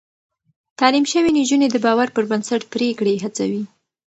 تعليم شوې نجونې د باور پر بنسټ پرېکړې هڅوي.